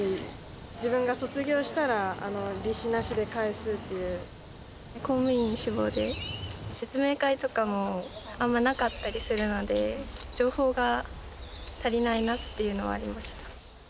自分が卒業したら、公務員志望で、説明会とかもあんまなかったりするので、情報が足りないなっていうのはありました。